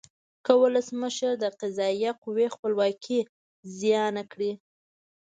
که ولسمشر د قضایه قوې خپلواکي زیانه کړي.